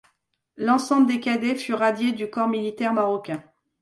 L'ensemble des cadets fut radié du corps militaire marocain.